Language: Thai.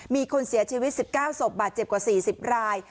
มีคนเสียชีวิต๑๙ศพบาดเจ็บกว่า๔๐ราย